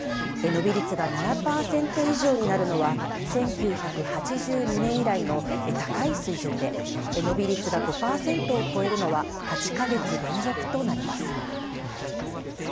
伸び率が７％以上になるのは、１９８２年以来の高い水準で伸び率が５％を超えるのは、８か月連続となります。